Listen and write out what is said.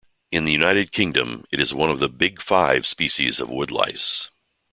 In the United Kingdom, it is one of the "big five" species of woodlice.